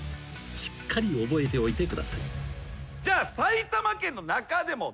［しっかり覚えておいてください］きたきた。